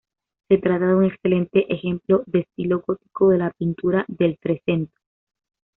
Se trata de un excelente ejemplo de estilo gótico de la pintura del Trecento.